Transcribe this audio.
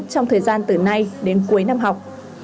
trong thời gian từ nay đến cuối năm học